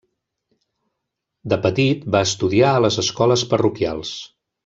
De petit va estudiar a les Escoles Parroquials.